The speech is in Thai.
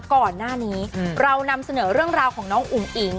ก่อนหน้านี้เรานำเสนอเรื่องราวของน้องอุ๋งอิ๋ง